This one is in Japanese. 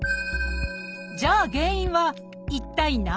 じゃあ原因は一体何？